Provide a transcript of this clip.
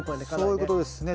そういうことですね。